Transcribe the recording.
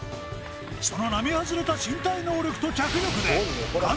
その並はずれた身体能力と脚力でいいね・